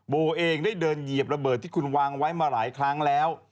โบเองได้เดินเหยียบระเบิดที่คุณวางไว้มาหลายครั้งแล้ว